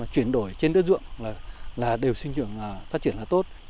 chuyển đổi trên đất ruộng là đều sinh trưởng phát triển là tốt